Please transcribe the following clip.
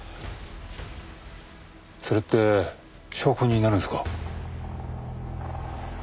それって証拠になるんですか？